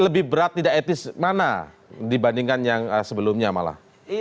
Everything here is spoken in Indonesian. lebih berat tidak etis mana dibandingkan yang sebelumnya malah